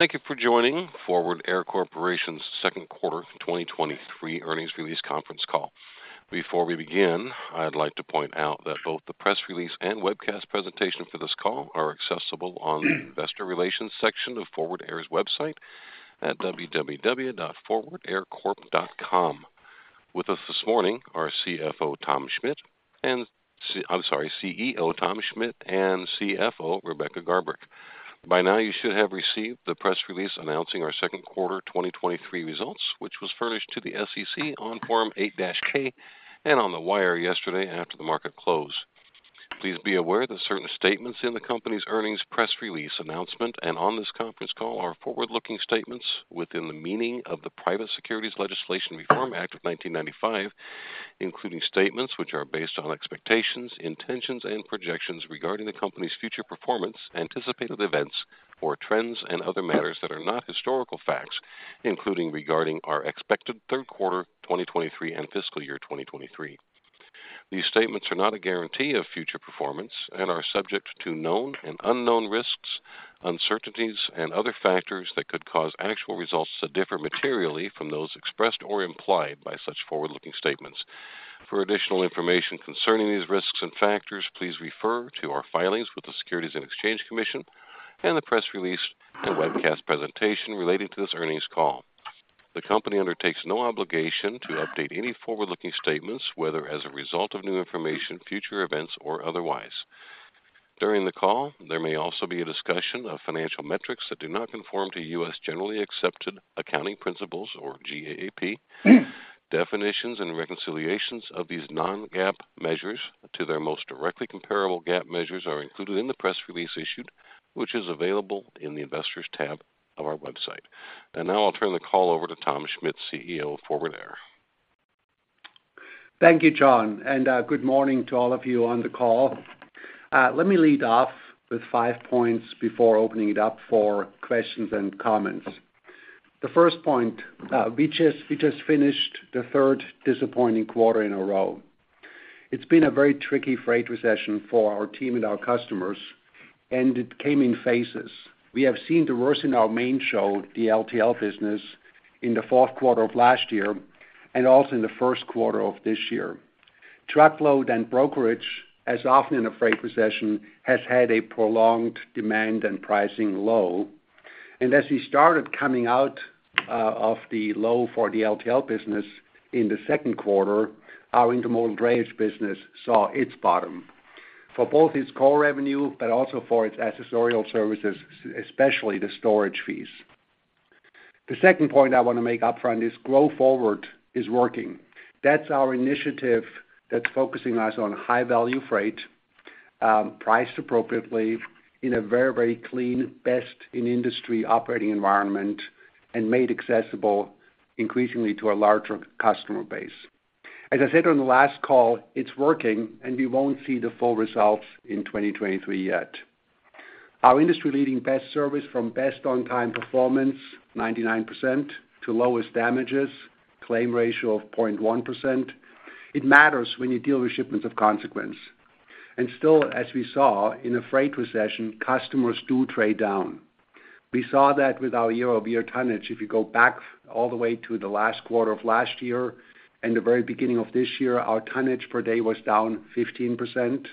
Thank you for joining Forward Air Corporation's second quarter 2023 earnings release conference call. Before we begin, I'd like to point out that both the press release and webcast presentation for this call are accessible on the Investor Relations section of Forward Air's website at www.forwardaircorp.com. With us this morning are CFO, Tom Schmitt, I'm sorry, CEO, Tom Schmitt, and CFO, Rebecca Garbrick. By now, you should have received the press release announcing our second quarter 2023 results, which was furnished to the SEC on Form 8-K and on the wire yesterday after the market closed. Please be aware that certain statements in the company's earnings press release announcement and on this conference call are forward-looking statements within the meaning of the Private Securities Litigation Reform Act of 1995, including statements which are based on expectations, intentions, and projections regarding the company's future performance, anticipated events or trends, and other matters that are not historical facts, including regarding our expected third quarter 2023 and fiscal year 2023. These statements are not a guarantee of future performance and are subject to known and unknown risks, uncertainties, and other factors that could cause actual results to differ materially from those expressed or implied by such forward-looking statements. For additional information concerning these risks and factors, please refer to our filings with the Securities and Exchange Commission and the press release and webcast presentation relating to this earnings call. The company undertakes no obligation to update any forward-looking statements, whether as a result of new information, future events, or otherwise. During the call, there may also be a discussion of financial metrics that do not conform to U.S. Generally Accepted Accounting Principles or GAAP. Definitions and reconciliations of these non-GAAP measures to their most directly comparable GAAP measures are included in the press release issued, which is available in the Investors tab of our website. Now I'll turn the call over to Tom Schmitt, CEO of Forward Air. Thank you, John, and good morning to all of you on the call. Let me lead off with five points before opening it up for questions and comments. The first point, we just, we just finished the third disappointing quarter in a row. It's been a very tricky freight recession for our team and our customers, and it came in phases. We have seen the worst in our main show, the LTL business, in the fourth quarter of last year, and also in the first quarter of this year. Truckload and brokerage, as often in a freight recession, has had a prolonged demand and pricing low. As we started coming out of the low for the LTL business in the second quarter, our intermodal drayage business saw its bottom for both its core revenue, but also for its accessorial services, especially the storage fees. The second point I want to make upfront is Grow Forward is working. That's our initiative that's focusing us on high-value freight, priced appropriately in a very, very clean, best in industry operating environment and made accessible increasingly to a larger customer base. As I said on the last call, it's working, and we won't see the full results in 2023 yet. Our industry-leading best service from best on time performance, 99%, to lowest damages, claim ratio of 0.1%. It matters when you deal with shipments of consequence. Still, as we saw in a freight recession, customers do trade down. We saw that with our year-over-year tonnage. If you go back all the way to the last quarter of last year and the very beginning of this year, our tonnage per day was down 15%.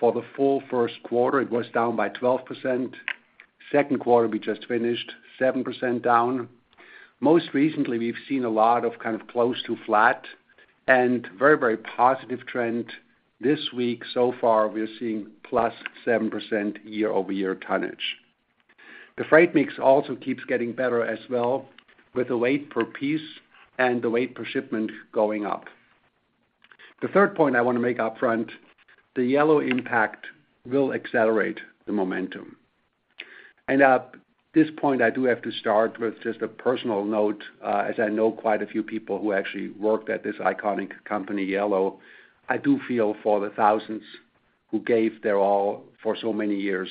For the full first quarter, it was down by 12%. Second quarter, we just finished 7% down. Most recently, we've seen a lot of kind of close to flat and very, very positive trend. This week, so far, we are seeing +7% year-over-year tonnage. The freight mix also keeps getting better as well, with the weight per piece and the weight per shipment going up. The third point I want to make upfront, the Yellow impact will accelerate the momentum. At this point, I do have to start with just a personal note, as I know quite a few people who actually worked at this iconic company, Yellow. I do feel for the thousands who gave their all for so many years,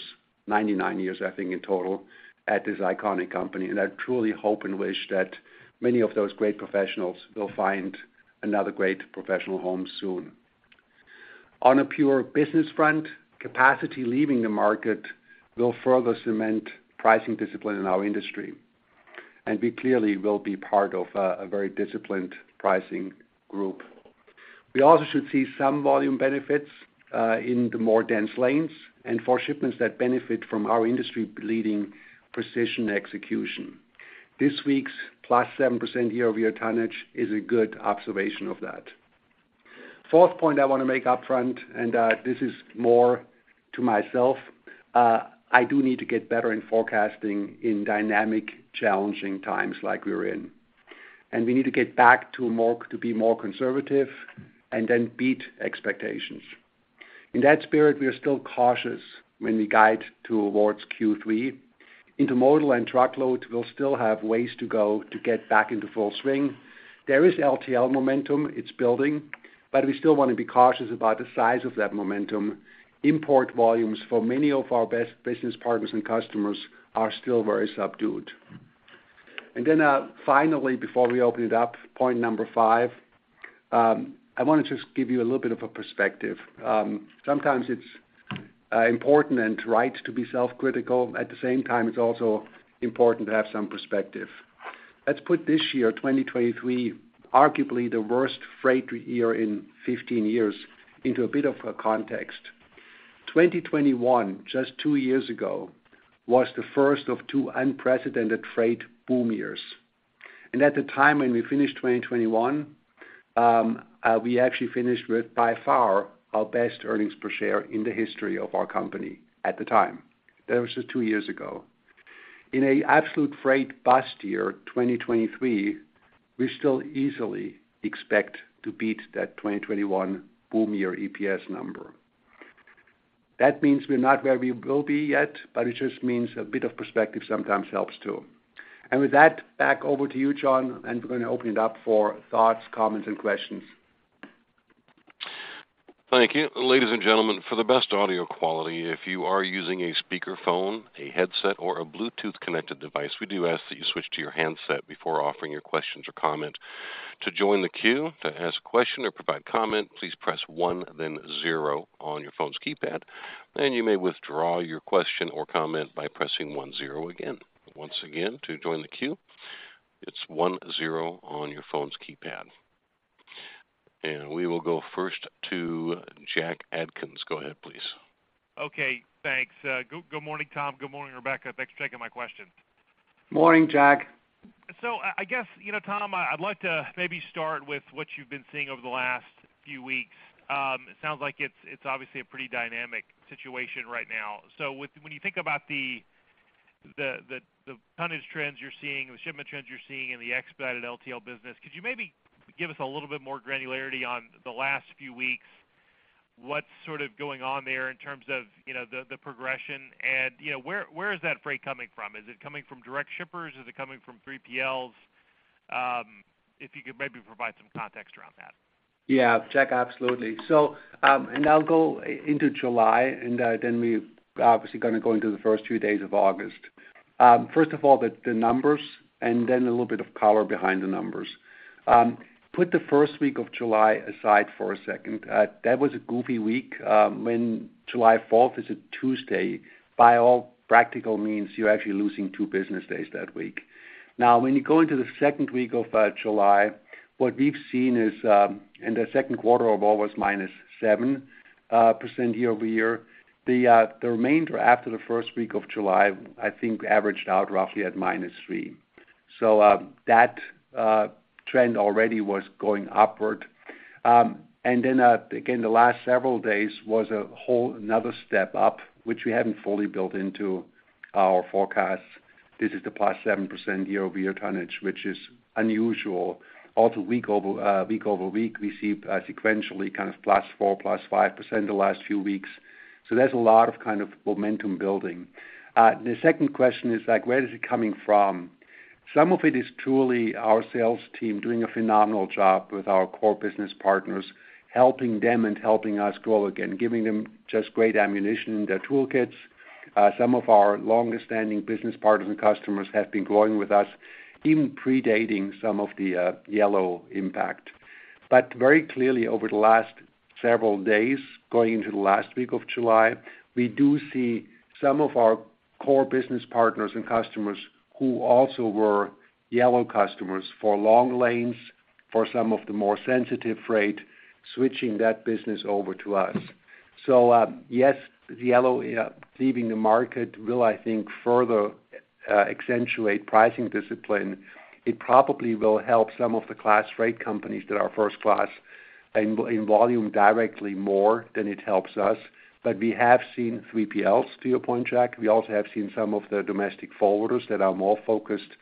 99 years, I think, in total, at this iconic company. I truly hope and wish that many of those great professionals will find another great professional home soon. On a pure business front, capacity leaving the market will further cement pricing discipline in our industry, and we clearly will be part of a very disciplined pricing group. We also should see some volume benefits in the more dense lanes and for shipments that benefit from our industry-leading precision execution. This week's +7% year-over-year tonnage is a good observation of that. Fourth point I want to make upfront, and this is more to myself, I do need to get better in forecasting in dynamic, challenging times like we're in. We need to get back to be more conservative and then beat expectations. In that spirit, we are still cautious when we guide towards Q3. Intermodal and truckload will still have ways to go to get back into full swing. There is LTL momentum, it's building, but we still want to be cautious about the size of that momentum. Import volumes for many of our best business partners and customers are still very subdued. Finally, before we open it up, point number 5, I want to just give you a little bit of a perspective. Sometimes it's important and right to be self-critical. At the same time, it's also important to have some perspective. Let's put this year, 2023, arguably the worst freight year in 15 years, into a bit of a context. 2021, just 2 years ago, was the first of 2 unprecedented freight boom years. At the time, when we finished 2021, we actually finished with, by far, our best earnings per share in the history of our company at the time. That was just 2 years ago. In a absolute freight bust year, 2023, we still easily expect to beat that 2021 boom year EPS number. That means we're not where we will be yet, but it just means a bit of perspective sometimes helps, too. With that, back over to you, John, and we're going to open it up for thoughts, comments, and questions. Thank you. Ladies and gentlemen, for the best audio quality, if you are using a speakerphone, a headset, or a Bluetooth-connected device, we do ask that you switch to your handset before offering your questions or comment. To join the queue, to ask a question or provide comment, please press 1, then 0 on your phone's keypad, and you may withdraw your question or comment by pressing 1, 0 again. Once again, to join the queue, it's 1, 0 on your phone's keypad. We will go first to Jack Atkins. Go ahead, please. Okay, thanks. Good, good morning, Tom. Good morning, Rebecca. Thanks for taking my question. Morning, Jack. I, I guess, you know, Tom, I'd like to maybe start with what you've been seeing over the last few weeks. It sounds like it's, it's obviously a pretty dynamic situation right now. When you think about the, the, the, the tonnage trends you're seeing, the shipment trends you're seeing in the expedited LTL business, could you maybe give us a little bit more granularity on the last few weeks? What's sort of going on there in terms of, you know, the, the progression and, you know, where, where is that freight coming from? Is it coming from direct shippers? Is it coming from 3PLs? If you could maybe provide some context around that. Yeah, Jack, absolutely. I'll go into July, then we obviously going to go into the first 2 days of August. First of all, the numbers and then a little bit of color behind the numbers. Put the first week of July aside for a second. That was a goofy week. When July fourth is a Tuesday, by all practical means, you're actually losing 2 business days that week. When you go into the second week of July, what we've seen is, in the second quarter of all, was -7% year-over-year. The remainder after the first week of July, I think averaged out roughly at -3. That trend already was going upward. Again, the last several days was a whole another step up, which we haven't fully built into our forecast. This is the +7% year-over-year tonnage, which is unusual. Week over week, we see sequentially, +4%, +5% the last few weeks. There's a lot of momentum building. The second question is, where is it coming from? Some of it is truly our sales team doing a phenomenal job with our core business partners, helping them and helping us grow again, giving them just great ammunition in their toolkits. Some of our longest standing business partners and customers have been growing with us, even predating some of the Yellow impact. Very clearly, over the last several days, going into the last week of July, we do see some of our core business partners and customers who also were Yellow customers for long lanes, for some of the more sensitive freight, switching that business over to us. Yes, the Yellow leaving the market will, I think, further accentuate pricing discipline. It probably will help some of the class freight companies that are first class in, in volume directly more than it helps us. We have seen 3PLs, to your point, Jack. We also have seen some of the domestic forwarders that are more focused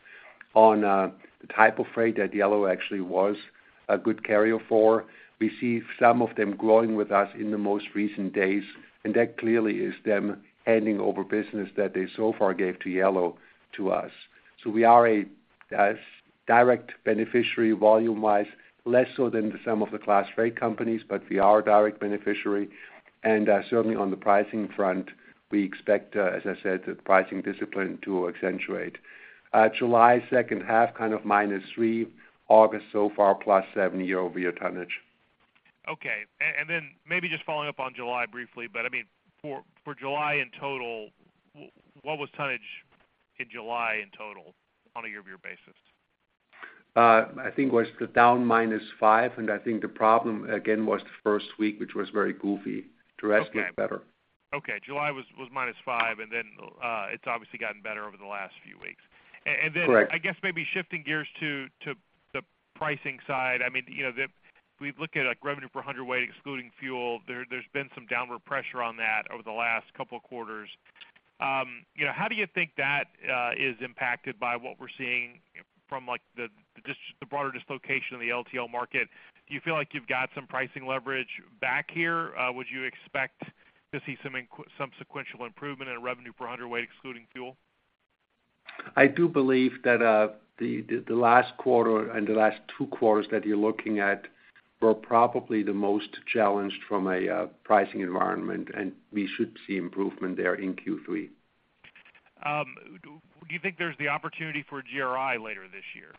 on the type of freight that Yellow actually was a good carrier for. We see some of them growing with us in the most recent days, and that clearly is them handing over business that they so far gave to Yellow, to us. We are a, a direct beneficiary, volume-wise, less so than some of the class freight companies, but we are a direct beneficiary. Certainly on the pricing front, we expect, as I said, the pricing discipline to accentuate. July second half, kind of -3%. August so far, +7% year-over-year tonnage. Okay. Maybe just following up on July briefly, but I mean, for July in total, what was tonnage in July in total on a year-over-year basis? I think it was down -5%, and I think the problem again, was the first week, which was very goofy. Okay. The rest looked better. Okay. July was -5%. It's obviously gotten better over the last few weeks. Correct. Then, I guess maybe shifting gears to, to the pricing side. I mean, you know, we look at, like, revenue per hundredweight, excluding fuel, there, there's been some downward pressure on that over the last couple of quarters. You know, how do you think that is impacted by what we're seeing from, like, the broader dislocation in the LTL market? Do you feel like you've got some pricing leverage back here? Would you expect to see some sequential improvement in revenue per hundredweight, excluding fuel? I do believe that the last quarter and the last two quarters that you're looking at were probably the most challenged from a pricing environment, and we should see improvement there in Q3. Do you think there's the opportunity for a GRI later this year?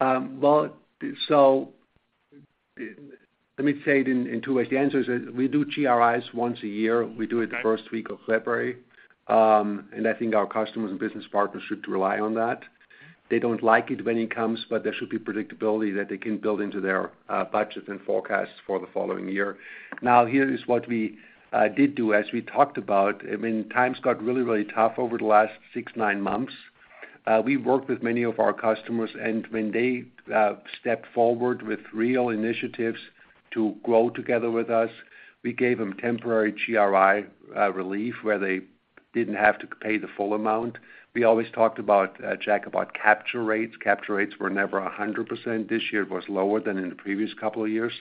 Well, let me say it in 2 ways. The answer is, we do GRIs once a year. Okay. We do it the first week of February. And I think our customers and business partners should rely on that. They don't like it when it comes, but there should be predictability that they can build into their budget and forecasts for the following year. Now, here is what we did do. As we talked about, I mean, times got really, really tough over the last 6, 9 months. We worked with many of our customers, and when they stepped forward with real initiatives to grow together with us, we gave them temporary GRI relief, where they didn't have to pay the full amount. We always talked about, Jack, about capture rates. Capture rates were never 100%. This year it was lower than in the previous couple of years.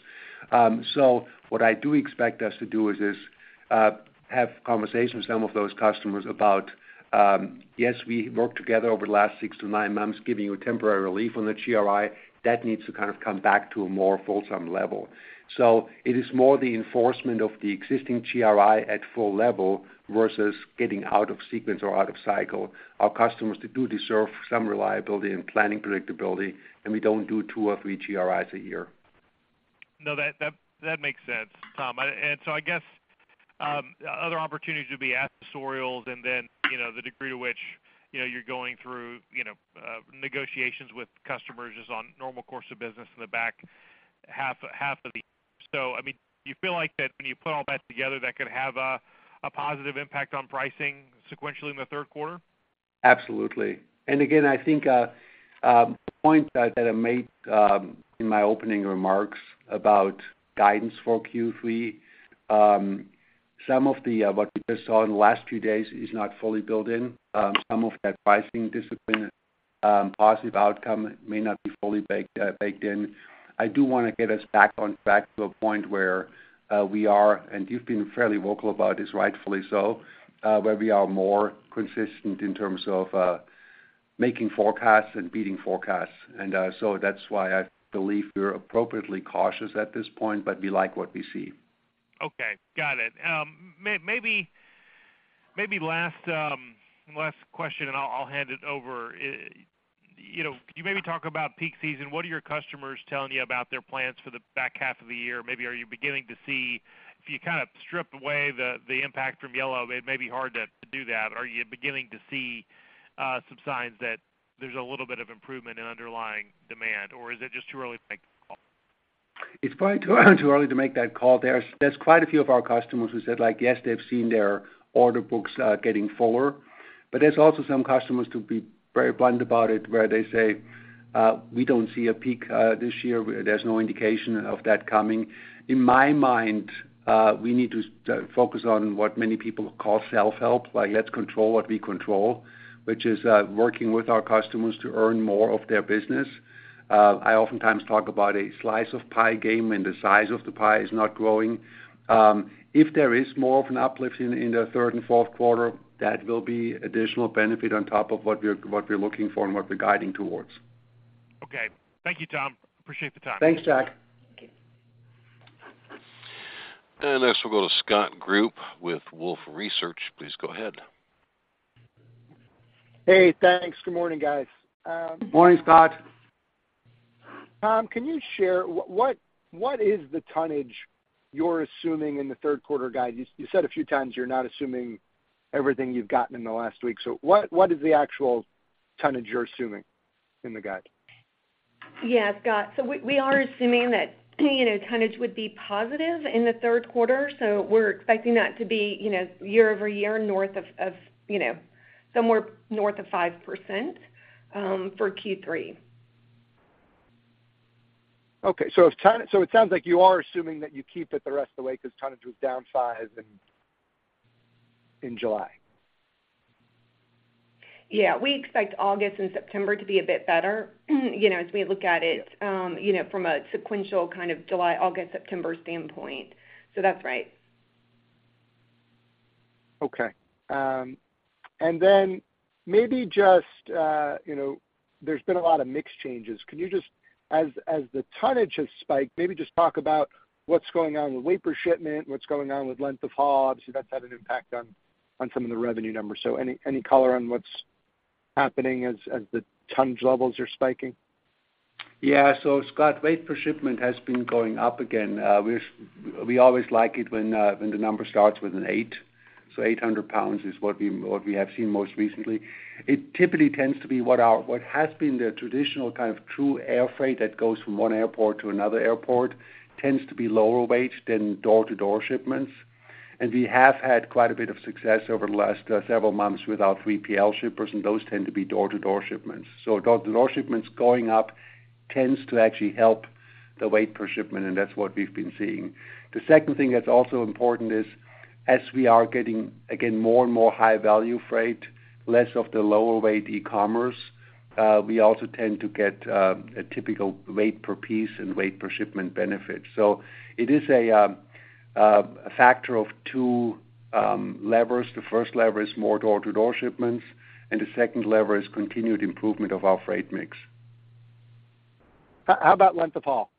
What I do expect us to do is, have conversations with some of those customers about, yes, we worked together over the last 6 to 9 months, giving you temporary relief on the GRI. That needs to kind of come back to a more full-time level. It is more the enforcement of the existing GRI at full level versus getting out of sequence or out of cycle. Our customers, they do deserve some reliability and planning predictability, and we don't do 2 or 3 GRIs a year. No, that, that, that makes sense, Tom. I guess, other opportunities would be accessorials and then, you know, the degree to which, you know, you're going through, you know, negotiations with customers is on normal course of business in the back half, half of the year. I mean, do you feel like that when you put all that together, that could have a, a positive impact on pricing sequentially in the third quarter? Absolutely. Again, I think the point that I made in my opening remarks about guidance for Q3, some of the what we just saw in the last few days is not fully built in. Some of that pricing discipline, positive outcome may not be fully baked, baked in. I do want to get us back on track to a point where we are, and you've been fairly vocal about this, rightfully so, where we are more consistent in terms of making forecasts and beating forecasts. So that's why I believe we're appropriately cautious at this point, but we like what we see. Okay, got it. Last question, and I'll, I'll hand it over. You know, could you maybe talk about peak season? What are your customers telling you about their plans for the back half of the year? Maybe are you beginning to see... If you kind of strip away the, the impact from Yellow, it may be hard to, to do that. Are you beginning to see some signs that there's a little bit of improvement in underlying demand, or is it just too early to make a call? It's probably too early to make that call. There's, there's quite a few of our customers who said, like, yes, they've seen their order books, getting fuller, but there's also some customers to be very blunt about it, where they say, "We don't see a peak, this year. There's no indication of that coming." In my mind, we need to focus on what many people call self-help. Like, let's control what we control, which is, working with our customers to earn more of their business. I oftentimes talk about a slice-of-pie game, and the size of the pie is not growing. If there is more of an uplift in, in the third and fourth quarter, that will be additional benefit on top of what we're, what we're looking for and what we're guiding towards. Okay. Thank you, Tom. Appreciate the time. Thanks, Jack. Next, we'll go to Scott Group with Wolfe Research. Please go ahead. Hey, thanks. Good morning, guys. Morning, Scott. Tom, can you share what is the tonnage you're assuming in the third quarter guide? You said a few times you're not assuming everything you've gotten in the last week. What is the actual tonnage you're assuming in the guide? Yeah, Scott, so we, we are assuming that, you know, tonnage would be positive in the third quarter, so we're expecting that to be, you know, year-over-year, north of, you know, somewhere north of 5%, for Q3. Okay. If so it sounds like you are assuming that you keep it the rest of the way because tonnage was down -5% in July. Yeah. We expect August and September to be a bit better, you know, as we look at it, you know, from a sequential kind of July, August, September standpoint. That's right. Okay. Then maybe just, you know, there's been a lot of mix changes. Can you just, as, as the tonnage has spiked, maybe just talk about what's going on with weight per shipment, what's going on with length of haul? Obviously, that's had an impact on, on some of the revenue numbers. Any, any color on what's happening as, as the tonnage levels are spiking? Scott, weight per shipment has been going up again. We, we always like it when the number starts with an eight. 800 pounds is what we, what we have seen most recently. It typically tends to be what has been the traditional kind of true air freight that goes from one airport to another airport, tends to be lower weight than door-to-door shipments. We have had quite a bit of success over the last several months with our 3PL shippers, and those tend to be door-to-door shipments. Door-to-door shipments going up tends to actually help the weight per shipment, and that's what we've been seeing. The second thing that's also important is, as we are getting, again, more and more high-value freight, less of the lower-weight e-commerce, we also tend to get a typical weight per piece and weight per shipment benefit. It is a factor of two levers. The first lever is more door-to-door shipments. The second lever is continued improvement of our freight mix. How about length of haul?...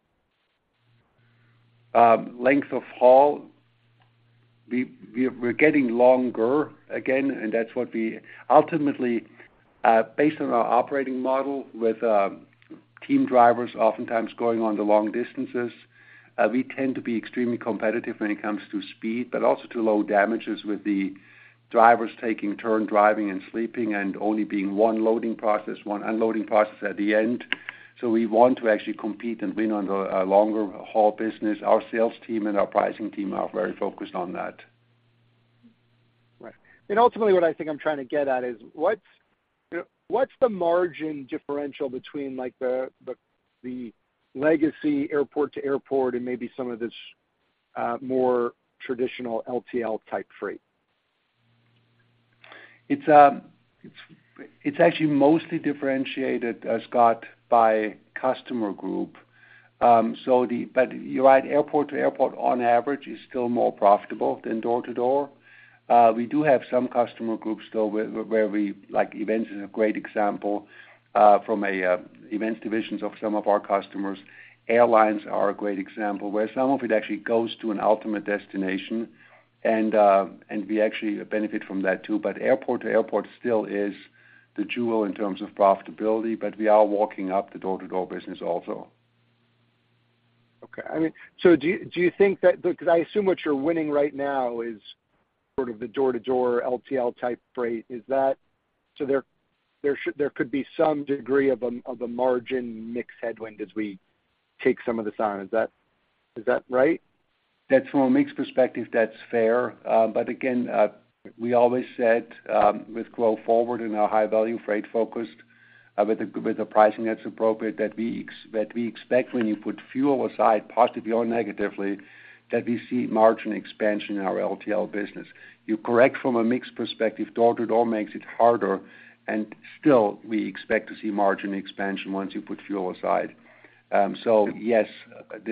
length of haul, we're getting longer again, and that's what we ultimately, based on our operating model with team drivers oftentimes going on the long distances, we tend to be extremely competitive when it comes to speed, but also to low damages with the drivers taking turns driving and sleeping, and only being one loading process, one unloading process at the end. We want to actually compete and win on the longer haul business. Our sales team and our pricing team are very focused on that. Right. Ultimately, what I think I'm trying to get at is: What's, you know, what's the margin differential between, like, the, the, the legacy airport-to-airport and maybe some of this, more traditional LTL type freight? It's, it's actually mostly differentiated, Scott, by customer group. You're right, airport-to-airport on average, is still more profitable than door-to-door. We do have some customer groups, though, where, where we, like, events is a great example, from a, events divisions of some of our customers. Airlines are a great example, where some of it actually goes to an ultimate destination, and we actually benefit from that, too. Airport-to-airport still is the jewel in terms of profitability, but we are walking up the door-to-door business also. Okay. I mean, do you, do you think that because I assume what you're winning right now is sort of the door-to-door LTL type freight, so there, there should, there could be some degree of a, of a margin mix headwind as we take some of this on? Is that, is that right? That's from a mix perspective, that's fair. Again, we always said, with Grow Forward and our high-value freight focused, with the pricing that's appropriate, that we expect when you put fuel aside, positively or negatively, that we see margin expansion in our LTL business. You're correct from a mix perspective, door-to-door makes it harder, and still, we expect to see margin expansion once you put fuel aside. Yes,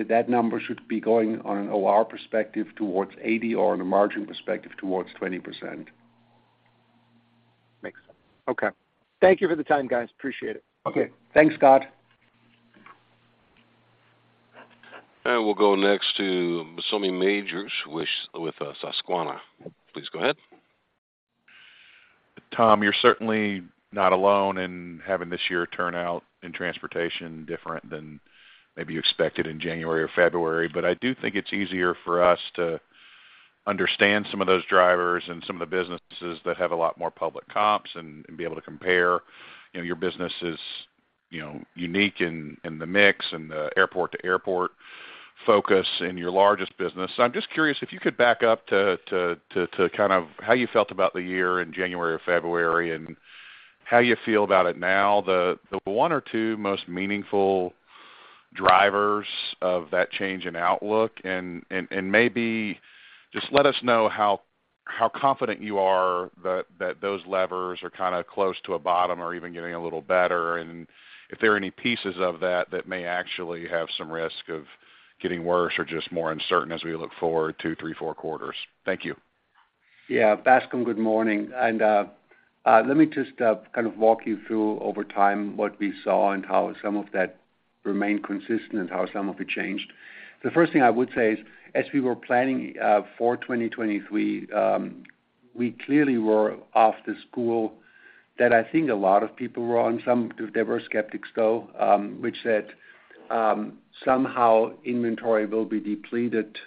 that number should be going on an OR perspective towards 80, or on a margin perspective, towards 20%. Makes sense. Okay. Thank you for the time, guys. Appreciate it. Okay. Thanks, Scott. We'll go next to Bascom Majors with Susquehanna. Please go ahead. Tom, you're certainly not alone in having this year turn out in transportation different than maybe you expected in January or February. I do think it's easier for us to understand some of those drivers and some of the businesses that have a lot more public comps and, and be able to compare. You know, your business is, you know, unique in, in the mix and the airport-to-airport focus in your largest business. I'm just curious if you could back up to kind of how you felt about the year in January or February, and how you feel about it now. The one or two most meaningful drivers of that change in outlook, and maybe just let us know how confident you are that those levers are kind of close to a bottom or even getting a little better, and if there are any pieces of that that may actually have some risk of getting worse or just more uncertain as we look forward two, three, four quarters. Thank you. Yeah, Bascom, good morning. Let me just kind of walk you through over time, what we saw and how some of that remained consistent and how some of it changed. The first thing I would say is, as we were planning for 2023, we clearly were of the school that I think a lot of people were on, some there were skeptics though, which said: Somehow inventory will be depleted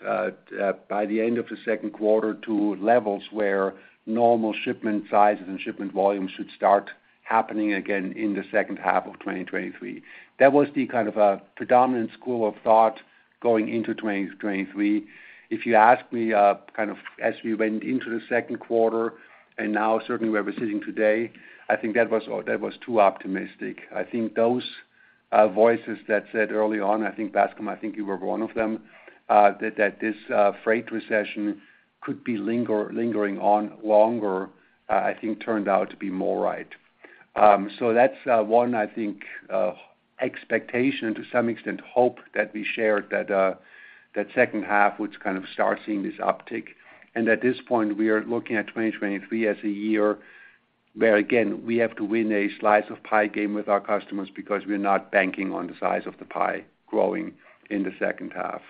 by the end of the second quarter to levels where normal shipment sizes and shipment volumes should start happening again in the second half of 2023. That was the kind of a predominant school of thought going into 2023. If you ask me, kind of as we went into the second quarter and now certainly where we're sitting today, I think that was, that was too optimistic. I think those voices that said early on, I think, Bascom, I think you were one of them, that, that this freight recession could be lingering on longer, I think turned out to be more right. So that's one, I think, expectation to some extent, hope that we shared that second half, which kind of start seeing this uptick. And at this point, we are looking at 2023 as a year where, again, we have to win a slice-of-pie game with our customers because we're not banking on the size of the pie growing in the second half.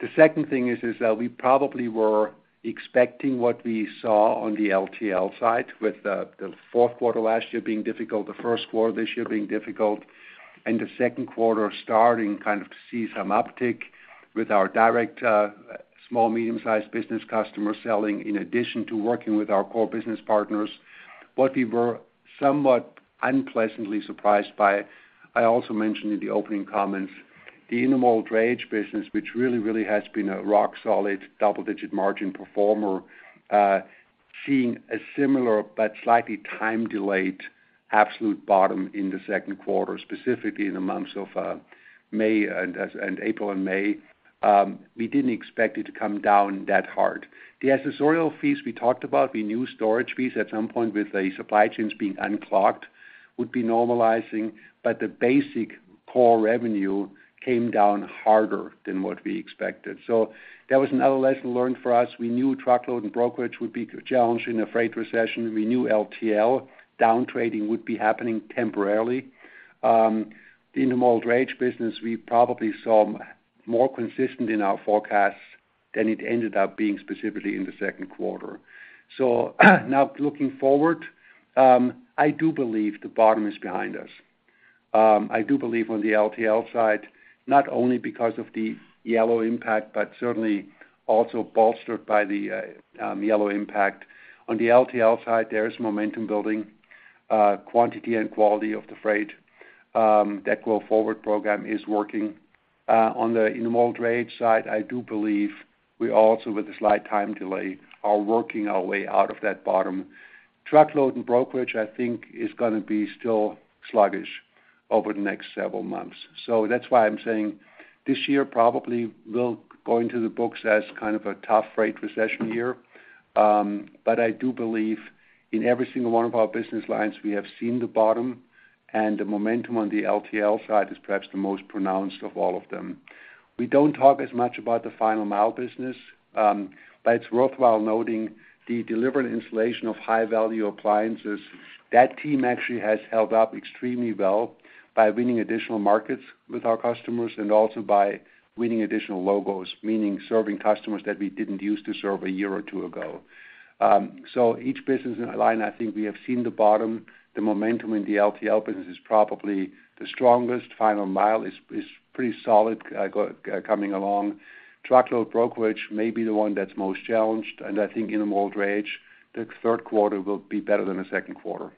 The second thing is, is that we probably were expecting what we saw on the LTL side, with the, the fourth quarter last year being difficult, the first quarter this year being difficult, and the second quarter starting kind of to see some uptick with our direct, small, medium-sized business customer selling, in addition to working with our core business partners. What we were somewhat unpleasantly surprised by, I also mentioned in the opening comments, the intermodal drayage business, which really, really has been a rock-solid, double-digit margin performer, seeing a similar but slightly time-delayed absolute bottom in the second quarter, specifically in the months of April and May. We didn't expect it to come down that hard. The accessorial fees we talked about, we knew storage fees at some point with the supply chains being unclogged, would be normalizing, but the basic core revenue came down harder than what we expected. That was another lesson learned for us. We knew truckload and brokerage would be challenged in a freight recession. We knew LTL downtrading would be happening temporarily. The intermodal drayage business, we probably saw more consistent in our forecasts. then it ended up being specifically in the second quarter. Now looking forward, I do believe the bottom is behind us. I do believe on the LTL side, not only because of the Yellow impact, but certainly also bolstered by the Yellow impact. On the LTL side, there is momentum building, quantity and quality of the freight. That Grow Forward program is working. On the intermodal drayage side, I do believe we also, with a slight time delay, are working our way out of that bottom. Truckload and brokerage, I think, is going to be still sluggish over the next several months. That's why I'm saying this year probably will go into the books as kind of a tough freight recession year. I do believe in every single one of our business lines, we have seen the bottom, and the momentum on the LTL side is perhaps the most pronounced of all of them. We don't talk as much about the final mile business, but it's worthwhile noting the delivery and installation of high-value appliances. That team actually has held up extremely well by winning additional markets with our customers and also by winning additional logos, meaning serving customers that we didn't use to serve a year or 2 ago. Each business in line, I think we have seen the bottom. The momentum in the LTL business is probably the strongest. Final mile is, is pretty solid, coming along. Truckload brokerage may be the one that's most challenged, and I think in intermodal drayage, the third quarter will be better than the second quarter.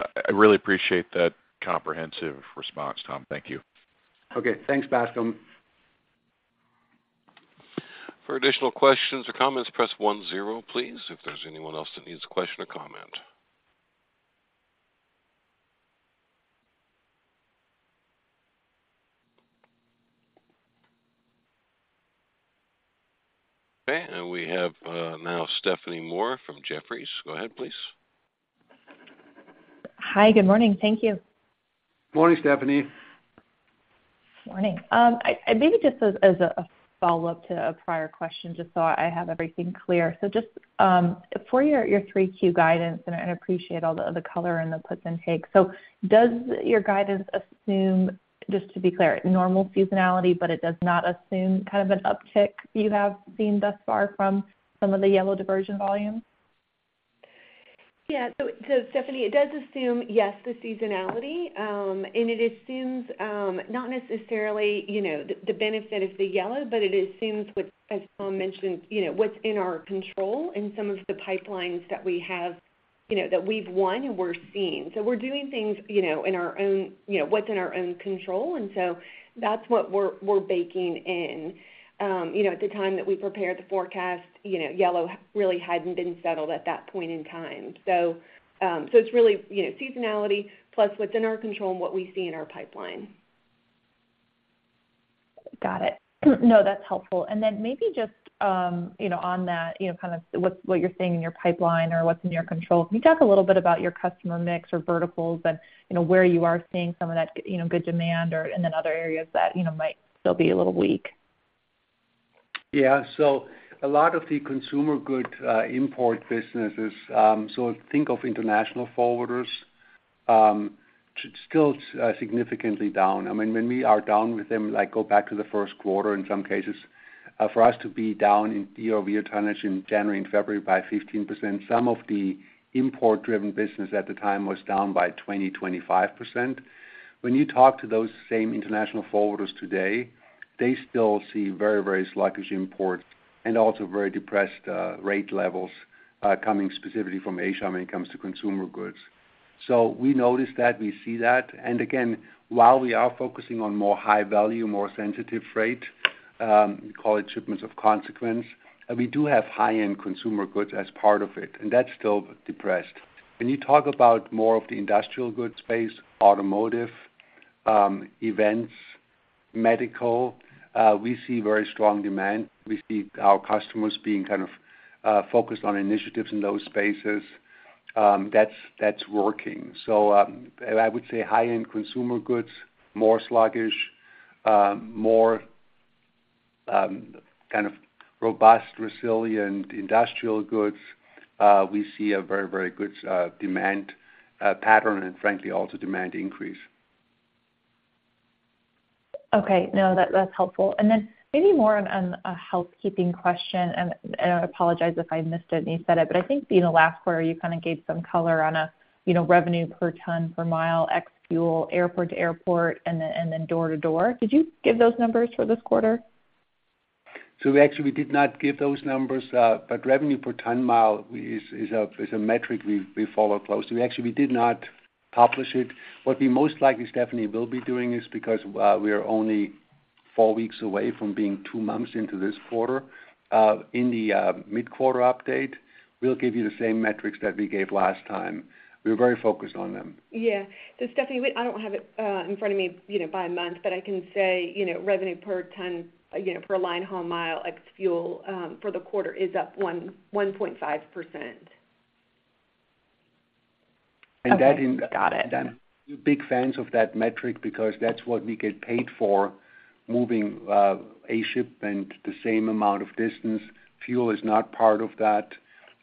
I, I really appreciate that comprehensive response, Tom. Thank you. Okay, thanks, Bascom. For additional questions or comments, press one zero, please, if there's anyone else that needs a question or comment. Okay, we have now Stephanie Moore from Jefferies. Go ahead, please. Hi, good morning. Thank you. Morning, Stephanie. Morning. I maybe just as a follow-up to a prior question, just so I have everything clear. Just for your 3Q guidance, and I appreciate all the color and the puts and takes. Does your guidance assume, just to be clear, normal seasonality, but it does not assume kind of an uptick you have seen thus far from some of the Yellow diversion volumes? Yeah. Stephanie, it does assume, yes, the seasonality, and it assumes, not necessarily, you know, the, the benefit of the Yellow, but it assumes with, as Tom mentioned, you know, what's in our control and some of the pipelines that we have, you know, that we've won and we're seeing. We're doing things, you know, in our own, you know, what's in our own control, and so that's what we're, we're baking in. You know, at the time that we prepared the forecast, you know, Yellow really hadn't been settled at that point in time. It's really, you know, seasonality plus what's in our control and what we see in our pipeline. Got it. No, that's helpful. Then maybe just, you know, on that, you know, kind of what's what you're seeing in your pipeline or what's in your control. Can you talk a little bit about your customer mix or verticals and, you know, where you are seeing some of that you know, good demand or, and then other areas that, you know, might still be a little weak? Yeah. A lot of the consumer good, import businesses, so think of international forwarders, still significantly down. I mean, when we are down with them, like, go back to the first quarter, in some cases, for us to be down in DOV tonnage in January and February by 15%, some of the import-driven business at the time was down by 20%, 25%. When you talk to those same international forwarders today, they still see very, very sluggish import and also very depressed rate levels, coming specifically from Asia when it comes to consumer goods. We notice that, we see that. Again, while we are focusing on more high value, more sensitive freight, we call it shipments of consequence, we do have high-end consumer goods as part of it, and that's still depressed. When you talk about more of the industrial goods space, automotive, events, medical, we see very strong demand. We see our customers being kind of focused on initiatives in those spaces. That's, that's working. I would say high-end consumer goods, more sluggish, more kind of robust, resilient industrial goods, we see a very, very good demand pattern, and frankly, also demand increase. Okay. No, that, that's helpful. Then maybe more on, on a housekeeping question, and, and I apologize if I missed it and you said it, but I think, you know, last quarter, you kind of gave some color on a, you know, revenue per ton per mile ex fuel, airport-to-airport, and then, and then door to door. Did you give those numbers for this quarter? We actually did not give those numbers, but revenue per ton mile is, is a, is a metric we, we follow closely. We actually did not publish it. What we most likely, Stephanie, will be doing is because we are only 4 weeks away from being 2 months into this quarter, in the mid-quarter update, we'll give you the same metrics that we gave last time. We're very focused on them. Yeah. Stephanie, I don't have it in front of me, you know, by month, but I can say, you know, revenue per ton, again, per line haul mile ex fuel, for the quarter is up 1.5%. Okay. And that in- Got it. We're big fans of that metric because that's what we get paid for, moving a shipment the same amount of distance. Fuel is not part of that,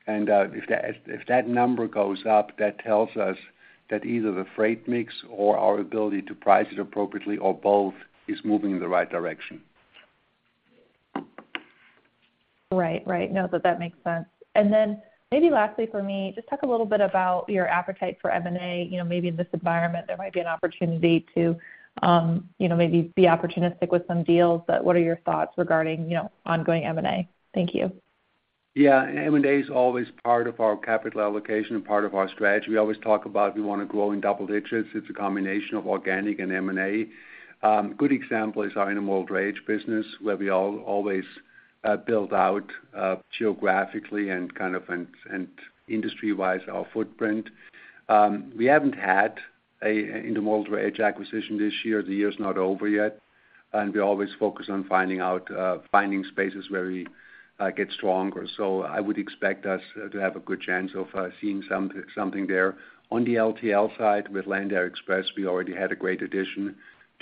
and if that, if that number goes up, that tells us that either the freight mix or our ability to price it appropriately or both, is moving in the right direction. Right, right. No, that, that makes sense. Then maybe lastly for me, just talk a little bit about your appetite for M&A. You know, maybe in this environment, there might be an opportunity to, you know, maybe be opportunistic with some deals, but what are your thoughts regarding, you know, ongoing M&A? Thank you. Yeah, M&A is always part of our capital allocation and part of our strategy. We always talk about we want to grow in double digits. It's a combination of organic and M&A. Good example is our Intermodal drayage business, where we always build out geographically and kind of, and, and industry-wise, our footprint. We haven't had a Intermodal drayage acquisition this year. The year is not over yet, and we always focus on finding out finding spaces where we get stronger. I would expect us to have a good chance of seeing something there. On the LTL side, with Landair Express, we already had a great addition to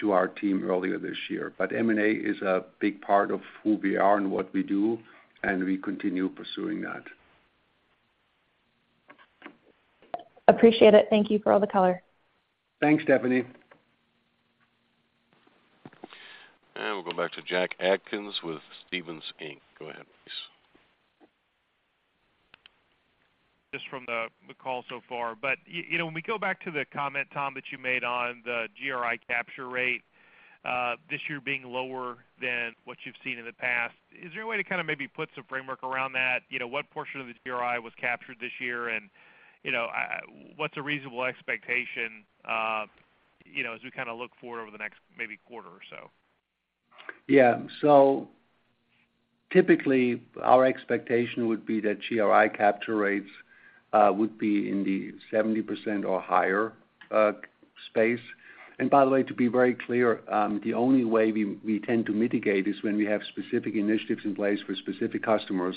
our team earlier this year. M&A is a big part of who we are and what we do, and we continue pursuing that. Appreciate it. Thank you for all the color. Thanks, Stephanie. We'll go back to Jack Atkins with Stephens Inc. Go ahead, please. Just from the, the call so far. You know, when we go back to the comment, Tom, that you made on the GRI capture rate, this year being lower than what you've seen in the past, is there a way to kind of maybe put some framework around that? You know, what portion of the GRI was captured this year? You know, what's a reasonable expectation, you know, as we kind of look forward over the next maybe quarter or so? Yeah. Typically, our expectation would be that GRI capture rates would be in the 70% or higher space. By the way, to be very clear, the only way we, we tend to mitigate is when we have specific initiatives in place for specific customers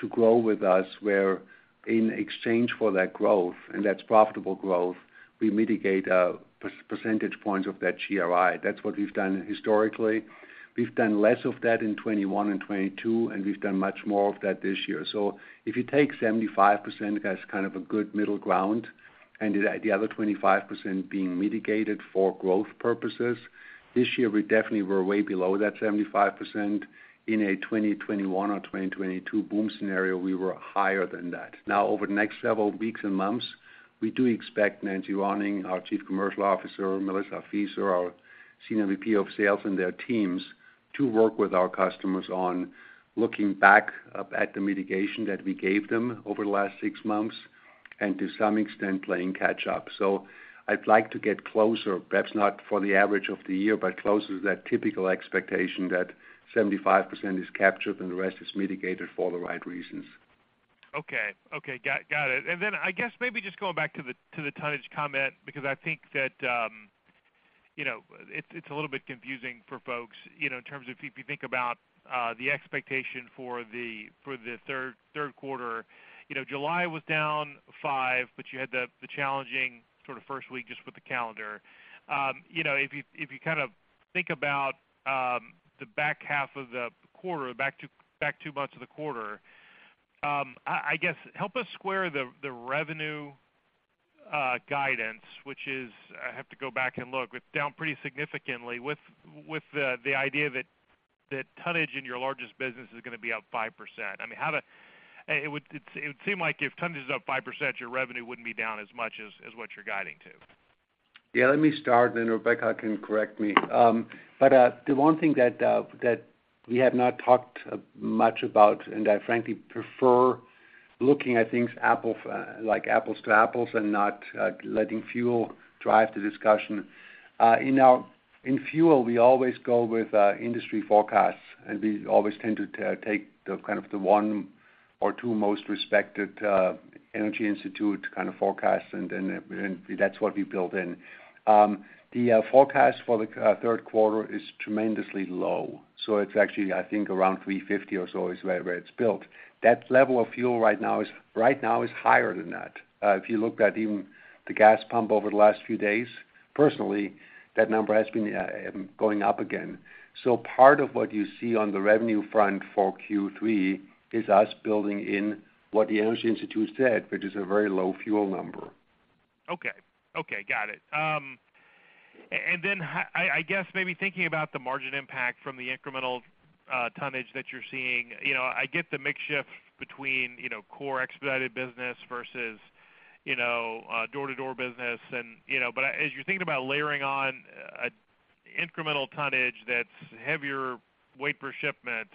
to grow with us, where in exchange for that growth, and that's profitable growth, we mitigate percentage points of that GRI. That's what we've done historically. We've done less of that in 2021 and 2022, and we've done much more of that this year. If you take 75% as kind of a good middle ground, and the, the other 25% being mitigated for growth purposes, this year, we definitely were way below that 75%. In a 2021 or 2022 boom scenario, we were higher than that. Over the next several weeks and months, we do expect Nancee Ronning, our Chief Commercial Officer, Melissa Fieser, our Senior VP of Sales, and their teams, to work with our customers on looking back at the mitigation that we gave them over the last six months, and to some extent, playing catch up. I'd like to get closer, perhaps not for the average of the year, but closer to that typical expectation that 75% is captured and the rest is mitigated for the right reasons. Okay. Okay, got, got it. Then I guess maybe just going back to the, to the tonnage comment, because I think that, you know, it's, it's a little bit confusing for folks, you know, in terms of if you think about the expectation for the third quarter. You know, July was down -5%, but you had the, the challenging sort of first week just with the calendar. You know, if you, if you kind of think about the back half of the quarter, back two months of the quarter, I, I guess, help us square the, the revenue guidance, which is, I have to go back and look, but down pretty significantly with, with the, the idea that, that tonnage in your largest business is going to be up 5%. I mean, it would seem like if tonnage is up 5%, your revenue wouldn't be down as much as what you're guiding to. Yeah, let me start, then Rebecca can correct me. The one thing that, that we have not talked much about, and I frankly prefer looking at things apple f- like apples to apples and not letting fuel drive the discussion. In our -- in fuel, we always go with industry forecasts, and we always tend to ta- take the kind of the 1 or 2 most respected energy institute kind of forecasts, and then, that's what we build in. The forecast for the third quarter is tremendously low, so it's actually, I think, around $3.50 or so is where, where it's built. That level of fuel right now is higher than that. If you look at even the gas pump over the last few days, personally, that number has been going up again. Part of what you see on the revenue front for Q3 is us building in what the Energy Institute said, which is a very low fuel number. Okay. Okay, got it. I guess maybe thinking about the margin impact from the incremental tonnage that you're seeing, you know, I get the mix shift between, you know, core expedited business versus, you know, door-to-door business and, you know. As you're thinking about layering on incremental tonnage that's heavier weight per shipment,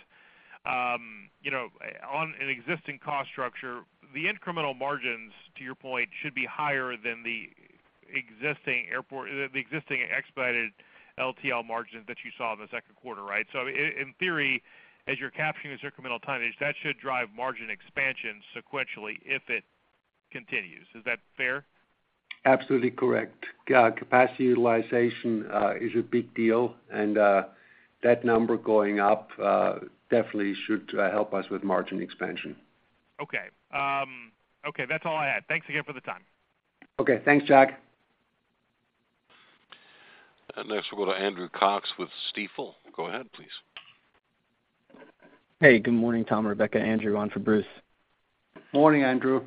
you know, on an existing cost structure, the incremental margins, to your point, should be higher than the existing airport, the existing expedited LTL margins that you saw in the second quarter, right? In theory, as you're capturing this incremental tonnage, that should drive margin expansion sequentially, if it continues. Is that fair? Absolutely correct. Yeah, capacity utilization is a big deal, and that number going up definitely should help us with margin expansion. Okay. Okay, that's all I had. Thanks again for the time. Okay, thanks, Jack. Next, we'll go to Andrew Cox with Stifel. Go ahead, please. Hey, good morning, Tom, Rebecca. Andrew, on for Bruce. Morning, Andrew.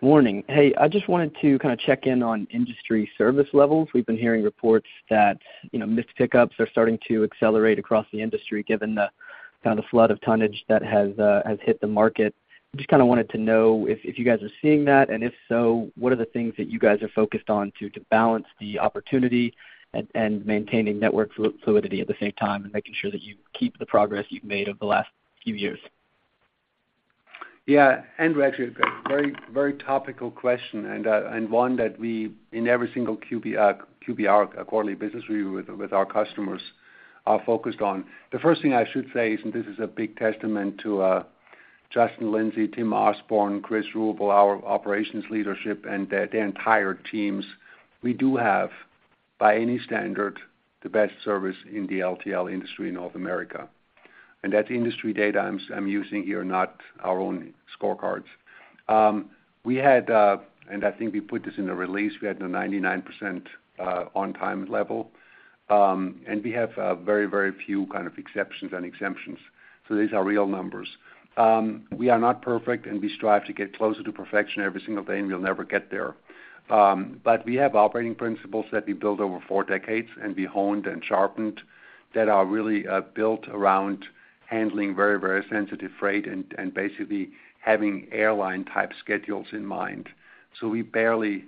Morning. Hey, I just wanted to kind of check in on industry service levels. We've been hearing reports that, you know, missed pickups are starting to accelerate across the industry, given the kind of flood of tonnage that has, has hit the market. Just kind of wanted to know if, if you guys are seeing that, and if so, what are the things that you guys are focused on to, to balance the opportunity and, and maintaining network fluidity at the same time, and making sure that you keep the progress you've made over the last few years? Yeah, Andrew, actually, a very, very topical question, and one that we, in every single QBR, QBR, quarterly business review with, with our customers, are focused on. The first thing I should say is, and this is a big testament to, Justin Lindsay, Tim Osborne, Chris Ruble, our operations leadership, and the, the entire teams. We do have, by any standard, the best service in the LTL industry in North America, and that's industry data I'm using here, not our own scorecards. We had, and I think we put this in the release, we had the 99% on-time level, and we have very, very few kind of exceptions and exemptions. These are real numbers. We are not perfect, and we strive to get closer to perfection every single day, and we'll never get there. We have operating principles that we built over 4 decades and be honed and sharpened, that are really built around handling very, very sensitive freight and, and basically having airline-type schedules in mind. We barely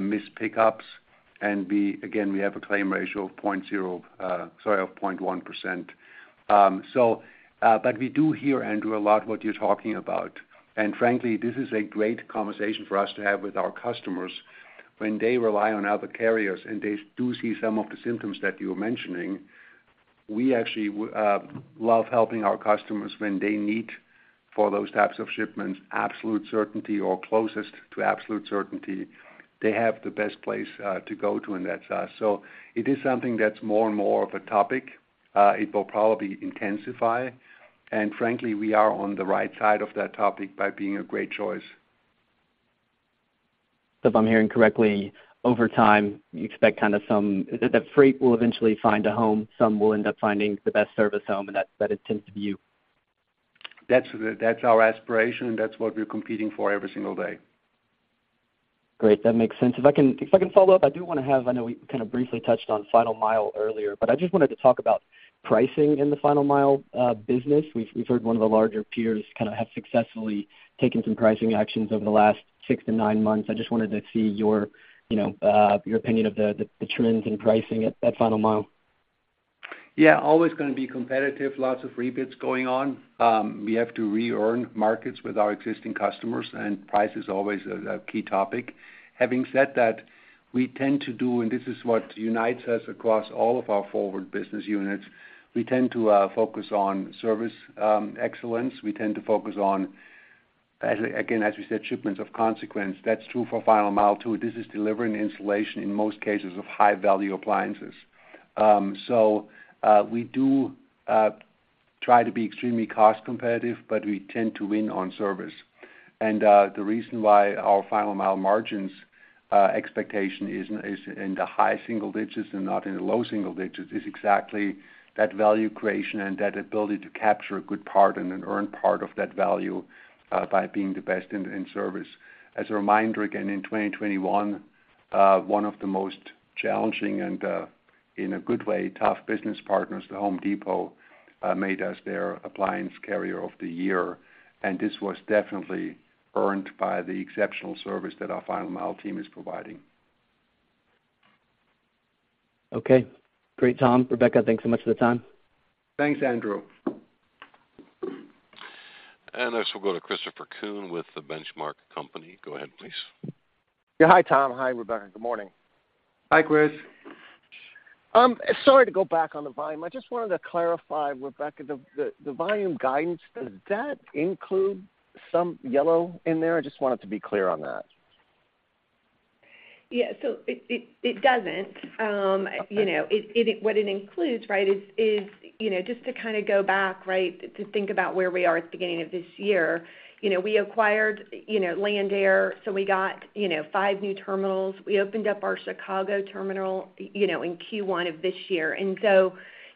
miss pickups. We again, we have a claim ratio of 0.1%. We do hear, Andrew, a lot what you're talking about. Frankly, this is a great conversation for us to have with our customers. When they rely on other carriers, and they do see some of the symptoms that you're mentioning, we actually love helping our customers when they need for those types of shipments, absolute certainty or closest to absolute certainty. They have the best place to go to in that size. It is something that's more and more of a topic. It will probably intensify, and frankly, we are on the right side of that topic by being a great choice. If I'm hearing correctly, over time, you expect that the freight will eventually find a home, some will end up finding the best service home, and that it tends to be you. That's that's our aspiration, and that's what we're competing for every single day. Great, that makes sense. If I can, if I can follow up, I do want to have... I know we kind of briefly touched on final mile earlier, but I just wanted to talk about pricing in the final mile business. We've, we've heard one of the larger peers kind of have successfully taken some pricing actions over the last six to nine months. I just wanted to see your, you know, your opinion of the, the trends in pricing at that final mile. Yeah, always going to be competitive. Lots of rebids going on. We have to re-earn markets with our existing customers. Price is always a key topic. Having said that, we tend to do, this is what unites us across all of our forward business units, we tend to focus on service excellence. We tend to focus on, as, again, as we said, shipments of consequence. That's true for final mile, too. This is delivering installation, in most cases, of high-value appliances. We do try to be extremely cost competitive. We tend to win on service. The reason why our final mile margins, expectation is, is in the high single digits and not in the low single digits, is exactly that value creation and that ability to capture a good part and an earned part of that value, by being the best in, in service. As a reminder, again, in 2021, one of the most challenging and, in a good way, tough business partners, The Home Depot, made us their appliance carrier of the year, and this was definitely earned by the exceptional service that our final mile team is providing. Okay, great, Tom. Rebecca, thanks so much for the time. Thanks, Andrew. Next we'll go to Christopher Kuhn with the Benchmark Company. Go ahead, please. Yeah, hi, Tom. Hi, Rebecca. Good morning. Hi, Chris. Sorry to go back on the volume. I just wanted to clarify, Rebecca, the, the, the volume guidance, does that include some Yellow in there? I just want it to be clear on that. Yeah, so it, it, it doesn't. You know, it, it, what it includes, right, is, is, you know, just to kind of go back, right, to think about where we are at the beginning of this year. You know, we acquired, you know, Landair, so we got, you know, five new terminals. We opened up our Chicago terminal, you know, in Q1 of this year.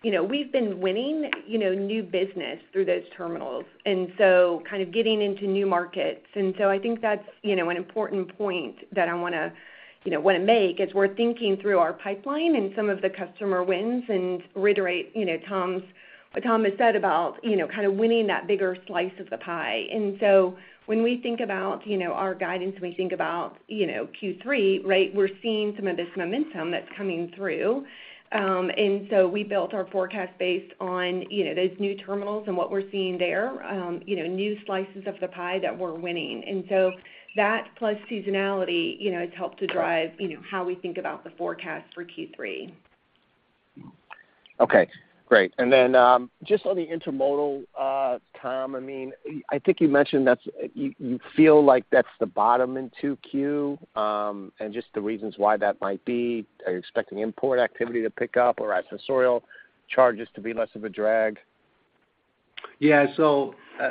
You know, we've been winning, you know, new business through those terminals, and so kind of getting into new markets. I think that's, you know, an important point that I want to, you know, want to make as we're thinking through our pipeline and some of the customer wins and reiterate, you know, what Tom has said about, you know, kind of winning that bigger slice of the pie. When we think about, you know, our guidance, when we think about, you know, Q3, right, we're seeing some of this momentum that's coming through. We built our forecast based on, you know, those new terminals and what we're seeing there, you know, new slices of the pie that we're winning. That, plus seasonality, you know, it's helped to drive, you know, how we think about the forecast for Q3. Okay, great. Then, just on the intermodal, Tom, I mean, I think you mentioned that you, you feel like that's the bottom in 2Q, and just the reasons why that might be? Are you expecting import activity to pick up or accessorial charges to be less of a drag? Yeah.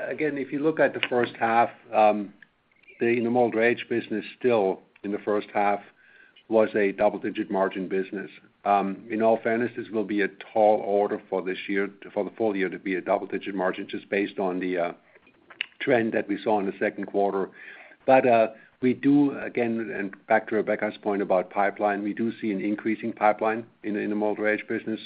Again, if you look at the first half, the intermodal drayage business still in the first half was a double-digit margin business. In all fairness, this will be a tall order for this year, for the full year, to be a double-digit margin, just based on the trend that we saw in the 2nd quarter. We do again, and back to Rebecca Garbrick's point about pipeline, we do see an increasing pipeline in the intermodal drayage business.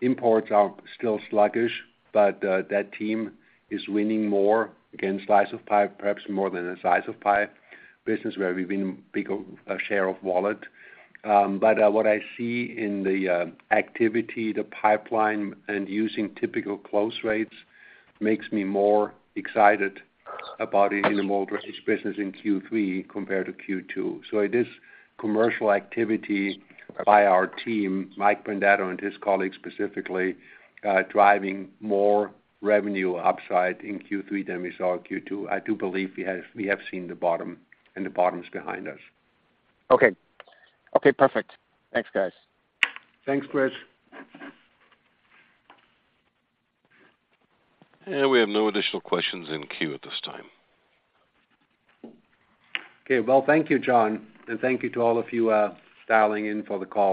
Imports are still sluggish, but that team is winning more, again, slice of pie, perhaps more than a slice of pie business, where we win big share of wallet. What I see in the activity, the pipeline, and using typical close rates makes me more excited about the intermodal drayage business in Q3 compared to Q2. It is commercial activity by our team, Mike Brandano and his colleagues specifically, driving more revenue upside in Q3 than we saw in Q2. I do believe we have, we have seen the bottom, and the bottom is behind us. Okay. Okay, perfect. Thanks, guys. Thanks, Chris. We have no additional questions in queue at this time. Okay, well, thank you, John, and thank you to all of you, dialing in for the call.